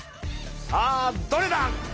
さあどれだ？